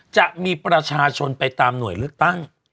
จะมีประชาชนไปตามหน่วยเลือกตั้ง